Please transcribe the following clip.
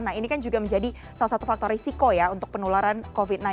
nah ini kan juga menjadi salah satu faktor risiko ya untuk penularan covid sembilan belas